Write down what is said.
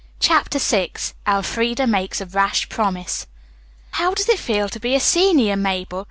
CHAPTER VI ELFREDA MAKES A RASH PROMISE "How does it feel to be a senior, Mabel?"